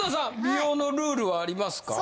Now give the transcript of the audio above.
美容のルールはありますか？